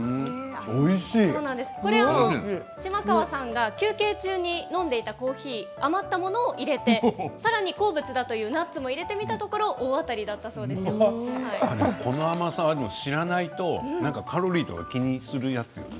これは島川さんが休憩中に飲んでいたコーヒー余ったものを入れてさらに好物だというナッツを入れたところこの甘さは知らないとカロリーとか気にするやつよね。